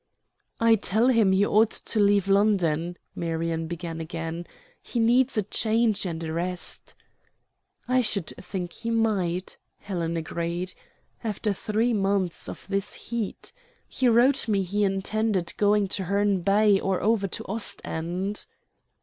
"I tell him he ought to leave London," Marion began again; "he needs a change and a rest." "I should think he might," Helen agreed, "after three months of this heat. He wrote me he intended going to Herne Bay or over to Ostend."